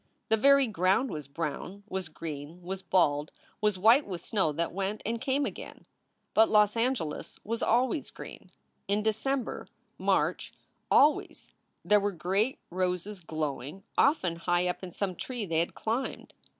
The very ground was brown, was green, was bald, was white with snow that went and came again. But Los Angeles was always green. In December, March always there were great roses glowing, often high up in some tree they had climbed.